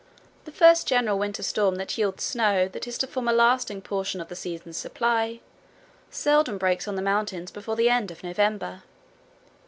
The first general winter storm that yields snow that is to form a lasting portion of the season's supply, seldom breaks on the mountains before the end of November.